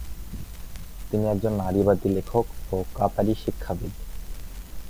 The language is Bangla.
তিনি একজন নারীবাদী লেখক ও কাতারি শিক্ষাবিদ।